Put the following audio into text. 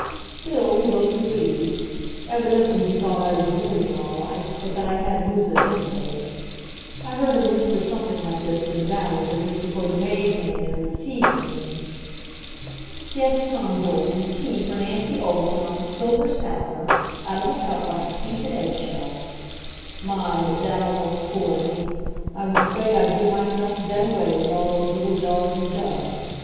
Still, he looked relieved. Evidently he thought I was luny all right, but that I had lucid intervals. I heard him whisper something like this to the Dowager just before the maid came in with tea for me. Yes, Tom Dorgan, tea for Nancy Olden off a silver salver, out of a cup like a painted eggshell. My, but that almost floored me! I was afraid I'd give myself dead away with all those little jars and jugs.